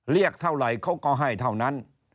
เรียกเท่าไหร่เขาก็ให้เท่านั้น